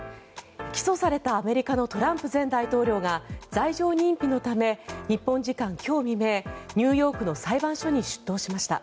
起訴されたアメリカのトランプ前大統領が罪状認否のため日本時間今日未明ニューヨークの裁判所に出頭しました。